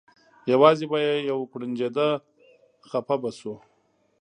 یوازې به یې یو کوړنجېده خپه به شو.